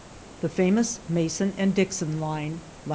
The famous Mason and Dixon Line (lat.